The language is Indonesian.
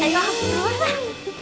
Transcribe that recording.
ayo hampir keluar lah